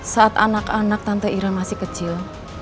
saat anak anak tante iran masih kecil